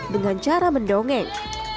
dengan cara mendongeng